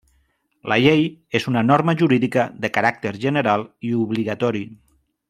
La llei és una norma jurídica de caràcter general i obligatori.